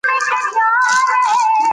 نو غبرګون به محدود، لنډمهالی او بېنظمه وای؛